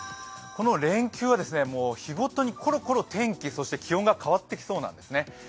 この連休は日ごとにころころ天気、そして気温が変わってきそうなんですね。